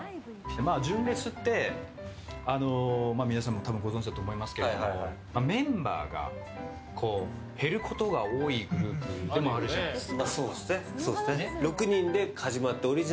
純烈って、皆さんもご存じだと思いますけどメンバーが減ることが多いグループでもあるじゃないですか。